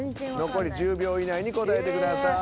残り１０秒以内に答えてください。